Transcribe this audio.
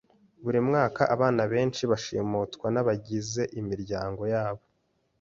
Buri mwaka, abana benshi bashimutwa nabagize imiryango yabo.